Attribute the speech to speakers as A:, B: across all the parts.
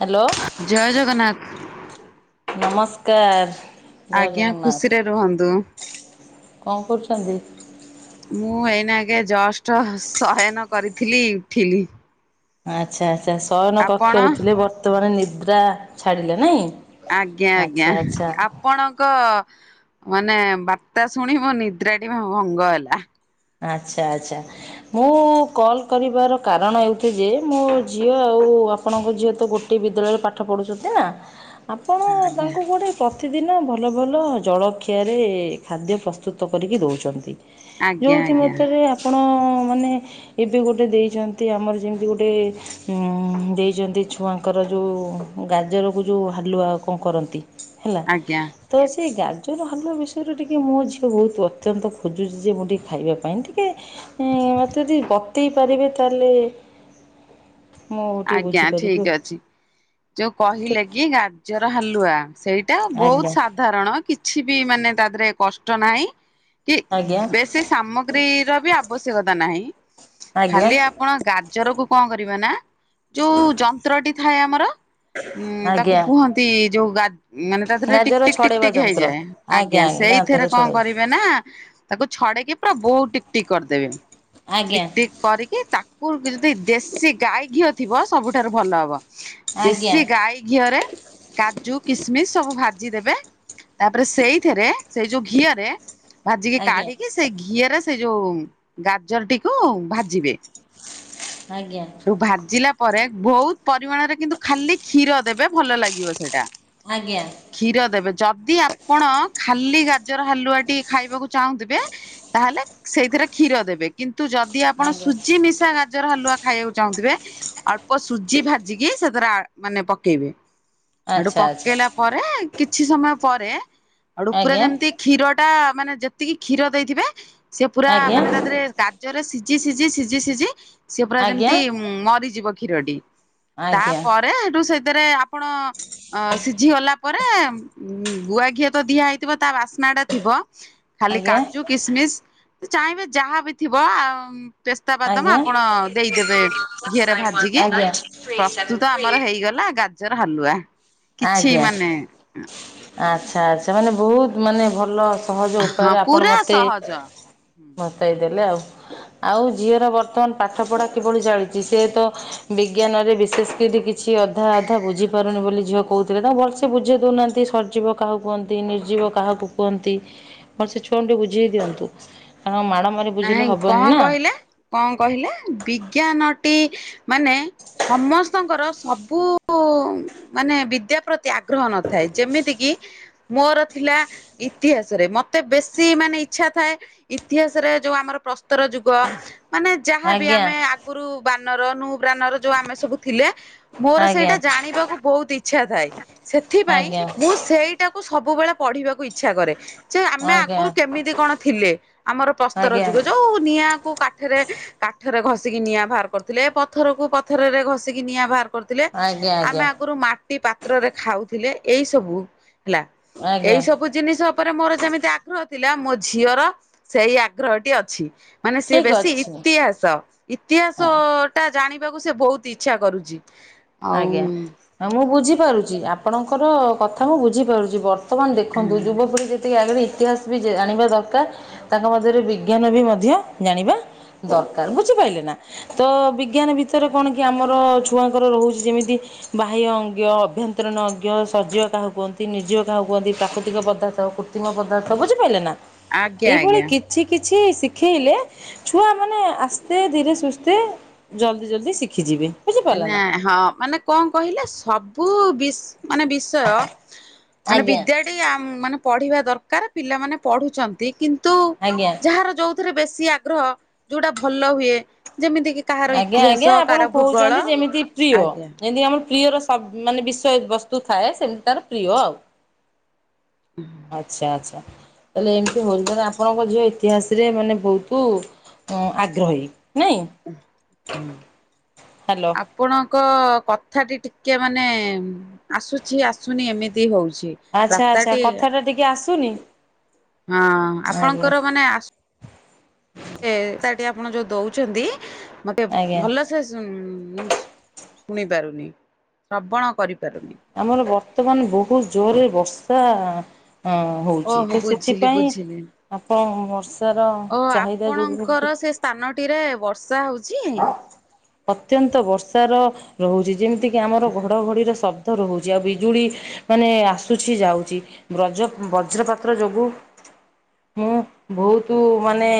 A: Hello.
B: ଜୟ ଜଗନ୍ନାଥ।
A: ନମସ୍କାର। ଜୟ
B: ଆଜ୍ଞା ଖୁସିରେ ରୁହନ୍ତୁ।
A: ଜଗନ୍ନାଥ। କଣ କରୁଛନ୍ତି?
B: ମୁଁ ଏଇନା ଆଜ୍ଞା ଜଷ୍ଟ୍ ଶୟନ କରିଥିଲି ଉଠିଲି।
A: ଆଚ୍ଛା ଆଚ୍ଛା ଶୟନ
B: ଆପଣ
A: କକ୍ଷରେ ଥିଲେ, ବର୍ତ୍ତମାନ ନିଦ୍ରା ଛାଡିଲେ ନାଇଁ।
B: ଆଜ୍ଞା
A: ଆଚ୍ଛା
B: ଆଜ୍ଞା। ଆପ୍
A: ଆଚ୍ଛା
B: ଆପଣଙ୍କ ମାନେ ବାର୍ତ୍ତା ଶୁଣି ମୋ ନିଦ୍ରାଟି ଭଙ୍ଗ ହେଲା।
A: ଆଚ୍ଛା ଆଚ୍ଛା। ମୁଁ କଲ୍ କରିବାର କାରଣ ଏହି କି ଯେ, ମୋ ଝିଅ ଆଉ ଆପଣଙ୍କ ଝିଅ ତ ଗୋ ଟେ ବିଦ୍ୟାଳୟରେ ପାଠ ପଢ଼ୁଛନ୍ତି ନା, ଆପଣ
B: ଆଜ୍ଞା
A: ତାଙ୍କୁ କୁଆଡେ ପ୍ରତିଦିନ ଭଲ ଭଲ ଜଳଖିଆରେ ଖାଦ୍ୟ ପ୍ରସ୍ତୁତ କରିକି ଦଉଛନ୍ତି।
B: ଆଜ୍ଞା
A: ଯୋଉଥି
B: ଆଜ୍ଞା
A: ମତରେ ଆପଣ ମାନେ ଏବେ ଗୋଟେ ଦେଇଛନ୍ତି ଆମର ଯେମିତି ଗୋଟେ ଉଁ ଦେଇଛନ୍ତି ଛୁଆଙ୍କର ଯୋଉ ଗାଜରକୁ ଯୋଉ ହାଲୁଆ କଣ କରନ୍ତି? ହେଲା।
B: ଆଜ୍ଞା
A: ତ ସେଇ ଗାଜର ହାଲୁଆ ବିଷୟରେ ଟିକେ ମୋ ଝିଅ ବହୁତ ଅତ୍ୟନ୍ତ ଖୋଜୁଛି ଯେ ମୁଁ ଟିକେ ଖାଇବା ପାଇଁ। ଟିକେ, ମତେ ଯଦି ବତେଇ ପାରିବେ, ତାହେଲେ ମୁଁ ଟିକେ
B: ଆଜ୍ଞା,
A: ବୁଝିପାରିବି
B: ଠିକ୍
A: ଆଉ।
B: ଅଛି। ଯୋଉ କହିଲେ କି ଗାଜର ହାଲୁଆ। ସେଇଟା ବହୁତ
A: ଆଜ୍ଞା
B: ସାଧାରଣ କି ଛି ବି ମାନେ ତା ଦେହରେ କଷ୍ଟ ନାହିଁ। କି
A: ଆଜ୍ଞା
B: ବେଶୀ ସାମଗ୍ରୀ ର ବି ଆବଶ୍ୟକତା ନାହିଁ।
A: ଆଜ୍ଞା
B: ଖାଲି ଆପଣ ଗାଜରକୁୁ କଁ କରିବେ ନା ଯୋଉ ଯନ୍ତ୍ରଟି ଥାଏ ଆମର, ଉଁ ତାକୁ
A: ଆଜ୍ଞା
B: କୁହନ୍ତି ଯୋଉ ଗା ମାନେ ତା ଦେରେ ଟିକ୍
A: ଗାଜର
B: -ଟିକ୍ -ଟିକ୍
A: ଛଡ଼େଇବା
B: -ଟିକ୍
A: ଯନ୍ତ୍ର
B: ହେଇଯାଏ। ଆଜ୍ଞା,
A: ଗାଜର
B: ସେଇଥିରେ କଣ
A: ଛଡ଼େଇବା
B: କରିବେ ନା ତାକୁ ଛଡ଼େଇକି ପୁରା ବହୁ ଟିକ୍- ଟିକ୍ କରି ଦେବେ।
A: ଆଜ୍ଞା
B: ଟିକ୍ ଟିକ୍ କରିକି ତାକୁ ଯଦି ଦେଶୀ ଗାଈ ଘିଅ ଥିବ ସବୁଠାରୁ ଭଲ ହବ।
A: ଆଜ୍ଞା
B: ଦେଶୀ ଗାଈ ଘିଅରେ କାଜୁ, କିସମିସ୍ ସବୁ ଭାଜି ଦେବେ। ତାପରେ ସେଇଥିରେ ସେଇ ଯୋଉ ଘିଅରେ ଭାଜିକି
A: ଆଜ୍ଞା
B: କାଢ଼ିକି ସେଇ ଘିଅରେ, ସେଇ ଯୋଉ ଗାଜରଟିକୁ ଭାଜିବେ।
A: ଆଜ୍ଞା।
B: କୁ ଭାଜିଲା ପରେ ବହୁତ ପରିମାଣରେ କିନ୍ତୁ ଖାଲି କ୍ଷୀର ଦେବେ, ଭଲ ଲାଗିବ ସେଇଟା।
A: ଆଜ୍ଞା।
B: କ୍ଷୀର ଦେବେ ଯଦି ଆପଣ ଖାଲି ଗାଜର ହାଲୁଆଟି ଖାଇବାକୁ ଚାହୁଁଥିବେ। ତାହେଲେ ସେଇଥିରେ କ୍ଷୀର ଦେବେ କିନ୍ତୁ ଯଦି ଆପଣ ସୁଜି ମିଶା ଗାଜର ହାଲୁଆ। ଖାଇବାକୁ ଚାହୁଁଥିବେ ଅଳ୍ପ ସୁଜି ଭାଜିକି ସେଥିରେ ଆ ମାନେ ପକେଇବେ। ସେଠୁ
A: ଆଚ୍ଛା ଆଚ୍ଛା
B: ପକେଇଲା ପରେ କିଛି ସମୟ ପରେ ସେଠୁ ପୁରା
A: ଆଜ୍ଞା
B: ଯେମିତି କ୍ଷୀରଟା ମାନେ ଯେତିକି କ୍ଷୀର ଦେଇଥିବେ ସେ ପୁରା
A: ଆଜ୍ଞା
B: ମାନେ ତା ଦେହରେ ଦା ସିଝି -ସିଝି- ସିଝି- ସିଝି ସିଏ ପୁରା
A: ଆଜ୍ଞା
B: ଯେମିତି ମରିଯିବ କ୍ଷୀରଟି।
A: ଆଜ୍ଞା
B: ତାପରେ ସେଇଠୁ ସେଥିରେ ଆପଣ ଅ ସି ଝି ହେଲା ପରେ ଗୁଆ ଘିଅ ତ ଦିଆ ହେଇଥିବ ତା ବାସ୍ନା ଟା ଥିବ। ଖାଲି
A: ଆଜ୍ଞା
B: କାଜୁ, କିସମିସ୍, ଚାହିଁବେ ଯାହା ବି ଥିବ ଉମ୍ ପେସ୍ତା ବାଦାମ
A: ଆଜ୍ଞା।
B: ଆପଣ। ଦେବେ ଘିଅରେ ଭାଜିକି
A: ଆଜ୍ଞା।
B: ପ୍ରସ୍ତୁତ ଆମର ହେଇଗଲା ଗାଜର ହାଲୁଆ। କିଛି
A: ଆଜ୍ଞା।
B: ମାନେ
A: ଆଚ୍ଛା, ଆଚ୍ଛା ମାନେ ବହୁତ ମାନେ ଭଲ। ସହଜ
B: ହଁ
A: ଉପାୟରେ ଆପଣ
B: ପୁରା
A: ମତେ
B: ସହଜ। ହୁଁ।
A: ବତେଇଦେଲେ ଆଉ। ଆଉ ଝିଅର ବର୍ତ୍ତମାନ ପାଠ ପଢା କିଭଳି ଚାଲିଛି। ସେ ତ ବିଜ୍ଞାନରେ ବିଶେଷ କରିକି କିଛି ଅଧା ଅଧା ବୁଝି ପାରୁନି ବୋଲି ଝିଅ। କହୁଥିଲେ ତ ଭଲସେ ବୁଝେଇ ଦଉନାହାନ୍ତି। ସର୍ଜିବ କାହାକୁ କୁହନ୍ତି, ନିର୍ଜୀବ କାହାକୁ କୁହନ୍ତି। ମୋର ସେ ଛୁଆଙ୍କୁ ଟିକେ ବୁଝେଇ ଦିଅନ୍ତୁ। କାରଣ ମ୍ୟାଡାମ
B: ନାଇଁ କଣ କହିଲେ? କଣ କହିଲେ, ବିଜ୍ଞାନଟି ମାନେ ସମ ସମସ୍ତଙ୍କର ସବୁ ମାନେ ବିଦ୍ୟା ପ୍ରତି ଆଗ୍ରହ ନଥାଏ ଯେମିତି କିି ମୋର ଥିଲା ଇତିହାସରେ ମତେ ବେଶୀ ମାନେ ଇଚ୍ଛା ଥାଏ। ଇତିହାସ ଯୋଉ ଆମର ପ୍ରସ୍ତର ଯୁଗ ମାନେ ଯାହାବ
A: ଆଜ୍ଞା
B: ଆମେ ଆଗରୁ ବାନର। ନୃ ପୁରାର ଯୋଉ ଆମେ ସବୁ ଥିଲେ ମୋର
A: ଆଜ୍ଞା
B: ସେଇଟା ଜାଣିବାକୁ ବହୁତ ଇଚ୍ଛା ଥାଏ। ସେଥିପାଇଁ
A: ଆଜ୍ଞା
B: ମୁଁ ସେଇଟାକୁ ସବୁବେଳେ ପଢିବାକୁ ଇଚ୍ଛା କରେ। ଯେ ଆମେ ଆଗରୁ
A: ଆଜ୍ଞା।
B: କେମିତି କଣ ଥିଲେ। ଆମର ପ୍ରସ୍ତର
A: ଆଜ୍ଞା
B: ଯୁଗ, ଯୋଉ ନିଆଁକୁ କାଠରେ କାଠରେ ଘଷିକି ନିଆଁ ବାହାର କରୁଥିଲେ। ପଥରକୁ, ପଥରରେ ଘଷିକି ନିଆଁ ବାହାର କରୁଥିଲେ।
A: ଆଜ୍ଞା ଆଜ୍ଞା
B: ଆମେ ଆଗରୁ ମାଟି ପାତ୍ରରେ ଖାଉଥିଲେ ଏଇ ସବୁ ହେଲା।
A: ଆଜ୍ଞା
B: ଏଇ ସବୁ ଜିନିଷ ଉପରେ ମୋର ଯେମିତି ଆଗ୍ରହ ଥିଲା। ମୋ ଝିଅର ସେଇ ଆଗ ଗ୍ରହଟି ଅଛି ମାନେ ସିଏ
A: ଠିକ୍
B: ବେଶୀ
A: ଅଛି।
B: ଇତିହାସ, ଇତିହାସ
A: ହଁ।
B: ଟା ଜାଣିବାକୁ ସେ ବହୁତ୍ ଇଚ୍ଛା କରୁଚି।
A: ଆଜ୍ଞା ମୁଁ ବୁଝିପାରୁଚି ଆପଣଙ୍କର କଥା ମୁଁ ବୁଝିପାରୁଚି ବ ର୍ତ୍ତମାନ୍ ଦେଖନ୍ତୁ ଯୁବପିଢି ଯେତିକି ଆଗରେ ଇତିହାସ ବି ଜା ଜାଣିବା ଦରକାର୍ ତାଙ୍କ ମଧ୍ୟରେ ବି ଜ୍ଞାନ ବି ମଧ୍ୟ ଜାଣିବା ଦରକାର୍ ବୁଝିପାଇଲେ ନା। ତ ବିଜ୍ଞାନ ଭିତରେ କଣ କି ଆମର ଛୁଆଙ୍କର ରହୁଚି ଯେମିତି। ବାହ୍ୟ ଅଙ୍ଗ୍ୟୟ ଅଭ୍ୟନ୍ତରୀଣ ଅଙ୍ଗୟ ସର୍ଜିବ କାହାକୁ କୁହନ୍ତି ନିର୍ଜୀବ କାହାକୁ କୁହନ୍ତି ପ୍ରାକୃତିକ ପଦାର୍ଥକୁ। କୃତିମ ପଦାର୍ଥ ବୁଝିପାଇଲେ ନା
B: ଆଜ୍ଞା
A: ଏଇଭଳି
B: ଆଜ୍ଞା।
A: କି ଛି କିଛି ଶିଖେଇଲେ ଛୁଆମାନେ ଆସ୍ତେ ଧୀରେ ସୁସ୍ଥେ। ଜଲ୍ଦି ଜଲ୍ଦି ଶିଖିଯିବେ। ବୁଝିପାରିଲେ
B: ହେ
A: ନା
B: ହଁ ମାନେ କଣ କହିଲେ ସବୁ ବିସ୍ ମାନେ ବି ତୟ ମାନେ
A: ଆଜ୍ଞା
B: ବିଦ୍ୟାଟି ଆ ମାନେ ପଢିବା ଦରକାର୍ ପିଲାମାନେ ପଢୁଚନ୍ତି କି ତୁ
A: ଆଜ୍ଞା
B: ଯାହାର ଯୋଉଥିରେ ବେଶୀ ଆଗ୍ରହ ଯୋଉଟା ଭଲ ହୁଏ ଯେମିତିକି।
A: ଆଜ୍ଞା ଆଜ୍ଞା ଆପଣ କହୁଛନ୍ତି ଯେମିତି ପ୍ରିୟ।
B: ଆଜ୍ଞା
A: ଯେମତି ଆମର ପ୍ରିୟର ସବ ମାନେ ବିଷୟ ବସ୍ତୁ ଥାଏ ସେମତି ତାର ପ୍ରିୟ ଆଉ।
B: [unintelligible]
A: ଆଚ୍ଛା ଆଚ୍ଛା ତାହେଲେ ଏମତି ହଉଚି ତାହେଲେ ଆପଣଙ୍କ ଝିଅ ଇତିହାସରେ ମାନେ ବହୁତୁ। ହଁ ଆଗ୍ରହୀ ନାଇଁ?
B: [unintelligible]
A: ହାଲୋ।
B: ଆପଣଙ୍କ କଥାଟି ଟିକେ ମାନେ ଆସୁଛି ଆସୁନି ଏମିତି ହଉଛି।
A: ଆଚ୍ଛା ଆଚ୍ଛା
B: ବାର୍ତ୍ତାଟି
A: କଥା ଟା ଟିକେ ଆସୁନି?
B: ହଁ
A: ଆଜ୍ଞା
B: ଆପଣଙ୍କର ମାନେ ଆ ଏ ତା ଟି ଆପଣ ଯୋଉ ଦଉଚନ୍ତି ମତେ ବ
A: ଆଜ୍ଞା
B: ଭଲ ସେ ଶୁନ୍ ମୁଁ ଶୁ ଶୁଣି ପାରୁନି ଶ୍ରବଣ କରିପାରୁନି।
A: ଆମର ବର୍ତ୍ତମାନ୍ ବହୁତ୍ ଜୋରରେ ବର୍ଷା ଅ ହଉଛି
B: ଓହୋ
A: ତ
B: ବୁଝିଲି
A: ସେଥିପାଇଁ
B: ବୁଝିଲି
A: ଆପଣ ବର୍ଷାର ଚାହିଦା ଯୋଗୁଁ ଟି
B: ସ୍ଥାନଟି ରେ ବର୍ଷା ହଉ ଛି।
A: ଅତ୍ୟନ୍ତ ବର୍ଷା ର ରହୁଚି ଯେମତିକିି ଆମର ଘଡଘଡିର ଶବ୍ଦ ରହୁଛି ଆଉ ବିଜୁଳି। ମାନେ ଆସୁଛି ଯାଉଛି ବ୍ରଜ ବଜ୍ରପାତ୍ର ଯୋଗୁ। ମୁଁ ବହୁତୁ ମାନେ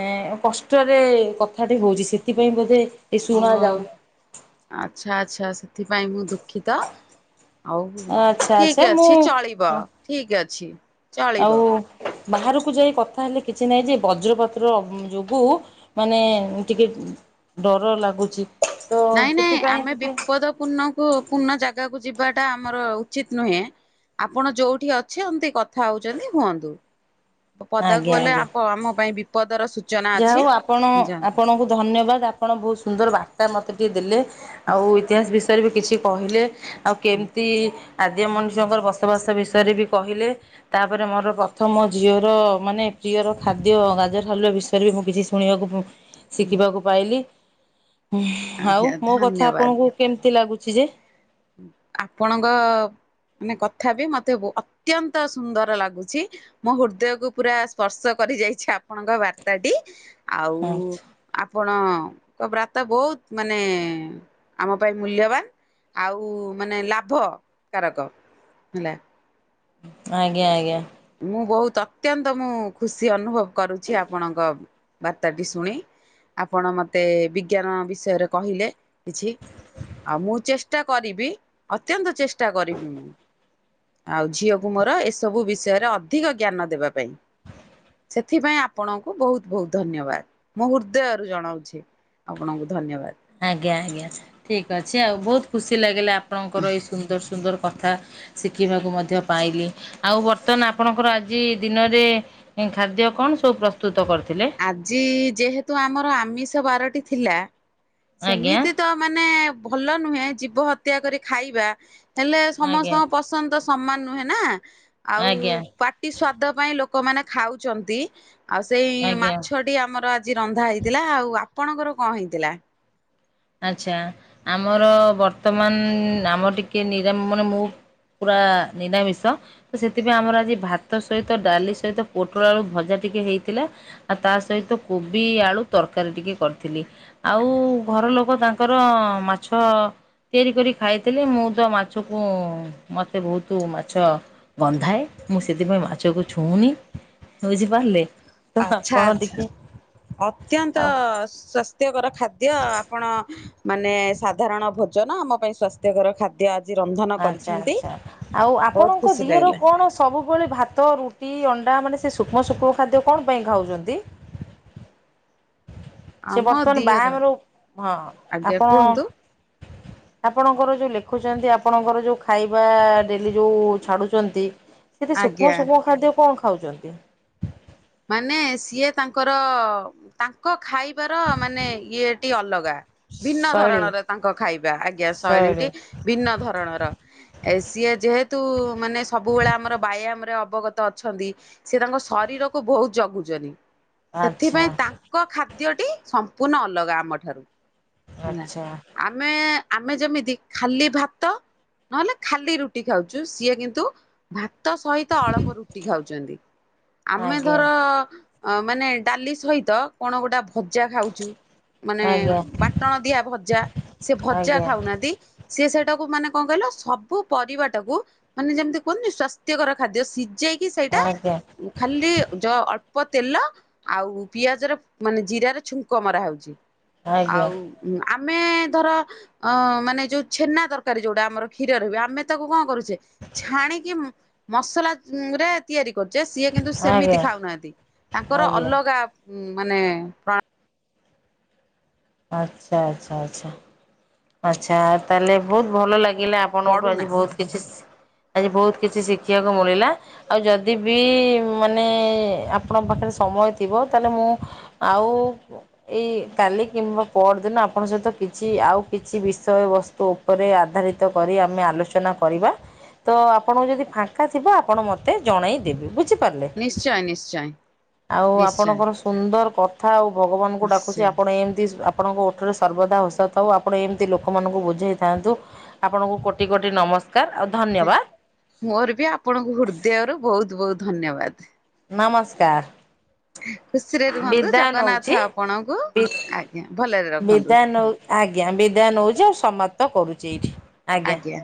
A: ଏ କଷ୍ଟରେ କଥାଟି ହଉଛି ସେ ଥିପାଇଁ ବୋଧେ। ଏ
B: ଓ
A: ଶୁଣା ଯାଉନି
B: ଆଚ୍ଛା ଆଚ୍ଛା ସେଥିପାଇଁ ମୁଁ ଦୁଃଖିତ। ଆଉ
A: ଆଚ୍ଛା ଆଚ୍ଛା
B: ଠିକି
A: ମୁଁ
B: ଅଛି ଚଳିବ ଠିକି ଅଛି। ଚଳିବ
A: ଆଉ ବାହାରୁକୁ ଯାଇ କଥା ହେଲେ କିଛି ନାଇଁ ଯେ ବଜ୍ରପାତର ଅ ଯୋଗୁ। ମାନେ ଟିକେ ଡର ଲାଗୁଛି। ତ
B: ନାଇଁ ନାଇଁ
A: ସେଥିପାଇଁ
B: ଆମେ
A: ଟିକେ
B: ବିପଦ ପୂର୍ଣ୍ଣକୁ ପୂର୍ଣ୍ଣ ଜାଗାକୁ ଯିବାଟା ଆମର ଉଚିତ୍ ନୁହେଁ। ଆପଣ ଯୋଉଠି ଅଛନ୍ତି କଥା ହଉଚନ୍ତି ହୁଅନ୍ତୁ। ପଦାକୁ
A: ଆଜ୍ଞା
B: ଗଲେ
A: ଆଜ୍ଞା
B: ଆପ ଆମ ପାଇଁ ବିପଦର ସୁ
A: ଯାହା ହଉ ଆପଣ ଆପଣଙ୍କୁ ଧନ୍ୟବାଦ୍ ଆପଣ ବହୁ ସୁନ୍ଦର ବା ର୍ତ୍ତା ମୋତେ ଟିକେ ଦେଲେ ଆଉ ଇତିହାସ ବିଷୟରେ ବି କିଛି କହିଲେ ଆଉ କେମତି। ଆଦିମ ମଣିଷଙ୍କର ବସବାସ ବିଷୟରେ ବି କହିଲେ। ତାପରେ ମୋର ପ୍ରଥମ ଝିଅର ମାନେ ପ୍ରିୟର ଖାଦ୍ୟ ଗାଜର୍ ହାଲୁଆ ବିଷୟ ରେ ବି ମୁଁ କିଛି ଶୁଣିବାକୁ ଶିଖିବାକୁ ପାଇଲି। ହୁଁ ଆଉ ମୋ କଥା ଆପଣଙ୍କୁ
B: ଧନ୍ୟବାଦ।
A: କେମତି ଲାଗୁଛି ଯେ?
B: ଆପଣଙ୍କ ମାନେ କଥା ବି ମତେ ଅତ୍ୟନ୍ତ ସୁନ୍ଦର ଲାଗୁଛି। ମୋ ହୃର୍ଦୟକୁୁ ପୁରା ସ୍ପର୍ଶ କରି ଯାଇଛି ଆପଣଙ୍କ ବାର୍ତ୍ତା ଟି। ଆଉ
A: ହଁ
B: ଆପଣ ଙ୍କ ବ୍ରାତା ବୋଉତ୍ ମାନେ ଆମ ପାଇଁ ମୂଲ୍ୟବାନ୍। ଆଉ ମାନେ ଲାଭ କାରକ ହେଲା।
A: ଆଜ୍ଞା ଆଜ୍ଞା।
B: ମୁଁ ବୋହୁତ୍ ଅତ୍ୟନ୍ତ ମୁଁ ଖୁସି ଅନୁଭବ କରୁଛି, ଆପଣଙ୍କ ବାର୍ତ୍ତାଟି ଶୁଣି। ଆପଣ ମତେ ବିଜ୍ଞାନ ବିଷୟରେ କହିଲେ କିଛି। ଆଉ ମୁଁ ଚେଷ୍ଟା କରିବି ଅତ୍ୟନ୍ତ ଚେସ୍ ଚେଷ୍ଟା କରିବି ମୁଁ, ଆଉ ଝିଅକୁ ମୋର ଏସବୁ ବିଷୟରେ ଅଧିକ ଜ୍ଞାନ ଦେବା ପାଇଁ ଏଥିପାଇଁ ଆପଣଙ୍କୁ ବୋହୁତ୍ ବୋହୁତ୍ ଧନ୍ୟବାଦ୍ ମୁଁ ହୃର୍ଦୟରୁ ଜଣଉଛି। ଆପଣଙ୍କୁ ଧନ୍ୟବାଦ।
A: ଆଜ୍ଞା ଆଜ୍ଞା ଠିକ୍ ଅଛି ଆଉ ବୋହୁତ୍ ଖୁସି ଲାଗିଲା ଆପଣଙ୍କର ଏଇ ସୁନ୍ଦର ସୁନ୍ଦର କଥା। ଶିଖିବାକୁ ମଧ୍ୟ ପାଇଲି ଆଉ ବର୍ତ୍ତମାନ୍ ଆପଣଙ୍କର ଆଜି ଦିନରେ ଏଁ ଖାଦ୍ୟ କଣ ସବୁ ପ୍ରସ୍ତୁତ କରିଥିଲେ?
B: ଆଜି ଯେହେତୁ ଆମର ଆମିଷ ବାରଟି ଥିଲା
A: ଆଜ୍ଞା
B: ସେମିତି ତ ମାନେ ଭଲ ନୁହେଁ ଜୀବ ହତ୍ୟା କରି ଖାଇବା, ହେଲେ
A: ଆଜ୍ଞା
B: ସମସ୍ତଙ୍କ ପସନ୍ଦ ସମାନ୍ ନୁହେଁ ନା, ଆଉ
A: ଆଜ୍ଞା
B: ପାଟି ସ୍ଵାଦ ପାଇଁ ଲୋକମାନେ ଖାଉଛନ୍ତି। ଆଉ ସେଇ
A: ଆଜ୍ଞା
B: ମାଛଟି ଆମର ଆଜି ରନ୍ଧା ହେଇଥିଲା ଆଉ ଆପଣଙ୍କର କଁ ହେଇଥିଲା?
A: ଆଚ୍ଛା ଆମର ବର୍ତ୍ତମାନ୍ ଆମର ଟିକେ ନିରାମ୍ ମାନେ ମୁଁ ପୁରା ନିଦାମିଷ। ତ ସେଥିପାଇଁ ଆମର ଆଜି ଭାତ ସହିତ, ଡାଲି ସହିତ, ପୋଟଳ ଆଳୁ ଭଜା ଟିକେ ହେଇଥିଲା। ଆଉ ତା ସହିତ କୋବି ଆଳୁ ତର୍କାରୀ ଟିକେ କରିଥିଲି, ଆଉ ଘର ଲୋକ କ ତାଙ୍କର ମାଛ ତିଆରି କରି ଖାଇଥିଲି, ମୁଁ ତ ମାଛକୁ ମତେ ବୋହୁତୁ ମାଛ ବନ୍ଧାଏ ମୁଁ ସେଥିପାଇଁ ମାଛକୁ ଛୁଉଁନି ବୁଝିପାରିଲେ। ତ
B: ଆଚ୍ଛା
A: ଆପଣ
B: ଆଚ୍ଛା
A: ଟିକେ
B: ଅତ୍ୟାନ୍ତ
A: ଆଉ
B: ସ୍ୱା ସ୍ୱାସ୍ଥ୍ୟ କର ଖାଦ୍ୟ ଆପଣ ମାନେ ସାଧାରଣ ଭୋଜନ ଆମ ପାଇଁ ସ୍ୱା ସ୍ୱାସ୍ଥ୍ୟ କର ଖାଦ୍ୟ ଆଜି ରନ୍ଧନ
A: ଆଚ୍ଛା
B: କରିଛନ୍ତି,
A: ଆଚ୍ଛା। ଆଉ
B: ବୋହୁତ୍
A: ଆପଣଙ୍କ
B: ଖୁସି
A: ଦିଅର
B: ଲାଗିଲା।
A: କଣ ସବୁବେଳେ ଭାତ, ରୁଟି, ଅଣ୍ଡା ମାନେ ସେ ସୂକ୍ଷ୍ମ ସୂକ୍ଷ୍ମ ଖାଦ୍ୟ କଣ ପାଇଁ ଖାଉଛନ୍ତି? ସେ
B: ଆମ
A: ବର୍ତ୍ତମାନ୍
B: ଦିଅର
A: ବାହାଘର ହୋଉ ହଁ
B: ଆଜ୍ଞା
A: ଆପଣ
B: କୁହନ୍ତୁ
A: ଆପଣଙ୍କର ଯୋଉ ଲେଖୁଛନ୍ତି ଆପଣଙ୍କର ଯୋଉ ଖାଇବା ଡ଼େଲି ଯୋଉ ଛାଡୁଛନ୍ତି। ସେଠି ସୂକ୍ଷ୍ମ
B: ଆଜ୍ଞା
A: ସୁକ୍ଷ୍ମ ଖାଦ୍ୟ କଣ ଖାଉଛନ୍ତି?
B: ମାନେ ସିଏ ତାଙ୍କର ତାଙ୍କ ଖାଇବାର ମାନେ ଇଏଟି ଅଲଗା। ଭିନ୍ନ
A: ଶୈଳୀ
B: ଧରଣର ତାଙ୍କ ଖାଇବା ଆଜ୍ଞା,
A: ଶୈଳୀ
B: ଶୈଳୀଟି ଭିନ୍ନ ଧରଣର। ଏ ସିଏ ଯେହେତୁ ମାନେ ସବୁବେଳେ ଆମର ବ୍ୟାୟାମ୍ ରେ ଅବଗତ ଅଛନ୍ତି। ସିଏ ତାଙ୍କ ଶରୀରକୁ ଭୋଉତ୍ ଜଗୁଚନ୍ତି,
A: ଆଚ୍ଛା
B: ସେଥିପାଇଁ ତାଙ୍କ ଖାଦ୍ୟଟି ସମ୍ପ ପୂର୍ଣ୍ଣ ଅଲଗା ଆମଠାରୁ। ହେଲା।
A: ଅଚ୍ଛା।
B: ଆମେ ଆମେ ଯେମିତି ଖାଲି ଭାତ ନହେଲେ ଖାଲି ରୁଟି ଖାଉଛୁ, ସିଏ କିନ୍ତୁ ଭାତ ସହି ତ ଅଳପ ରୁଟି ଖାଉଛନ୍ତି। ଆମେ
A: ଆଜ୍ଞା।
B: ଧର ମାନେ ଡାଲି ସହିତ କ ଣ ଗୋଟା ଭଜା ଖାଉଛୁ, ମାନେ
A: ଆଜ୍ଞା
B: ବା ଫୁଟଣ ଦିଆ ଭଜା ସେ ଭଜା
A: ଆଜ୍ଞା
B: ଖାଉନାହାଁନ୍ତି। ସିଏ ସେଇଟାକୁ ମାନେ କଁ କଇଲ ସବୁ ପରିବାଟାକୁ ମାନେ ଯେମିତି କୁହନ୍ତିନି ସ୍ଵାସ୍ଥ୍ୟକର ଖାଦ୍ୟ ସିଝେଇକି ସେଇଟା
A: ଆଜ୍ଞା
B: ଖାଲି ଯ ଅଳ୍ପ ତେଲ ଆଉ ପିଆଜର ମାନେ ଜିରାର ଛୁଙ୍କ ମରା ହୋଉଛି
A: ଆଜ୍ଞା
B: ଆଉ ହୁଁ ଆମେ ଧର ଅ ମାନେ ଯୋଉ ଛେନା ତରକାରୀ ଯୋଉଟା ଆମର କ୍ଷୀରରେ ହୁଏ ଆମେ ତାକୁ କଣ କରୁଛେ ଛାଣିକି ମହୁ ମସଲା ରେ ତିଆରି କରୁଚେ ସିଏ କିନ୍ତୁ ସେମିତି
A: ଆଜ୍ଞା
B: ଖାଉନାହାନ୍ତି ତାଙ୍କର
A: ଆଜ୍ଞା।
B: ଅଲଗା ହୁଁ ମାନେ ପ୍ରଣ
A: ଆଚ୍ଛା ଆଚ୍ଛା ଆଚ୍ଛା। ଆଚ୍ଛା ତାହେଲେ ବହୁତ ଭଲ ଲାଗିଲା ଆପଣଙ୍କ
B: ପଡୁନା
A: ଆଜି ବହୁତ କିଛି ସି ଆଜି ବହୁତ କିଛି ଶିଖିବାକୁ ମିିଳିଲା। ଆଉ ଯଦି ବି ମାନେ ଆପଣଙ୍କ ପାଖରେ ସମୟ ଥିବ ତାହେଲେ ମୁଁ ଆଉ ଏଇ କାଲି କିମ୍ବା ପହରଦିନ ଆପଣଙ୍କ ସହିତ କିଛି ଆଉ କିଛି ବିଷୟ ବସ୍ତୁ ଉପରେ ଆଧାରିତ କରି ଆମେ ଆଲୋଚନା କରିବା। ତ ଆପଣଙ୍କୁ ଯଦି ଫାଙ୍କା ଥିବ ଆପଣ ମତେ ଜଣେଇଦେବେ ବୁଝିଲେ। ପାରିଲେ
B: ନିଶ୍ଚୟ ନିଶ୍ଚୟ
A: ଆଉ
B: ନିଶ୍ଚୟ
A: ଆପଣଙ୍କର ସୁନ୍ଦର କଥା ଆଉ ଭଗବାନଙ୍କୁ ଡାକୁଛି
B: ନିଶ୍ଚୟ।
A: ଆପଣ ଏମିତିସ୍ ଆପଣଙ୍କ ଓଠରେ ସର୍ବଦା ହସ ଥାଉ ଆପ ଆପଣ ଏମିତି ଲୋକମାନଙ୍କୁ ବୁଝେଇଥାନ୍ତୁ ଆପଣଙ୍କୁ କୋଟି କୋଟି ନମସ୍କାର ଆଉ ଧନ୍ୟବାଦ।
B: ମୋର ବି ଆପଣଙ୍କୁ ହୃଦୟରୁ ବୋହୁତ ବୋହୁତ ଧନ୍ୟବାଦ।
A: ନମସ୍କାର।
B: ଖୁସିରେ ରୁହନ୍ତୁ
A: ବିଦାୟ ନଉଛି
B: ଜଗନ୍ନାଥ ଆପଣଙ୍କୁ
A: ବି
B: ଆଜ୍ଞା ଭଲରେ ରଖନ୍ତୁ।
A: ବିଦାୟ ନଉ ଆଜ୍ଞା ବିଦାୟ ନୋଉଛି ଆଉ ସମାପ୍ତ କରୁଛି ଏଇଠି।
B: ଆଜ୍ଞା।